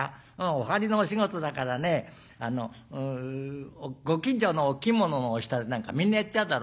お針のお仕事だからねご近所のお着物の人やなんかみんなやっちゃうだろ。